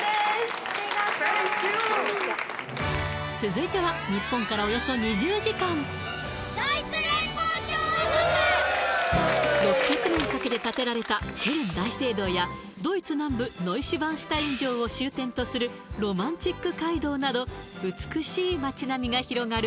続いては日本からおよそ２０時間６００年かけて建てられたケルン大聖堂やドイツ南部ノイシュヴァンシュタイン城を終点とするロマンチック街道など美しい町並みが広がる